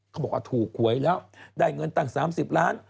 เขาบอกว่าถูกหวยแล้วได้เงินตั้ง๓๐ล้าน